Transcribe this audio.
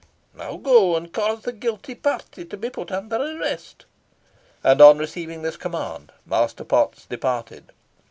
Now go, and cause the guilty party to be put under arrest." And on receiving this command Master Potts departed.